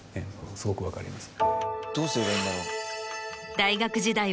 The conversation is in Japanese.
すごく分かります。